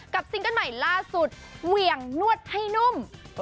ซิงเกิ้ลใหม่ล่าสุดเหวี่ยงนวดให้นุ่ม